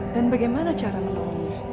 dan bagaimana cara menolongnya